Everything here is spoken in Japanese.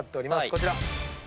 こちら。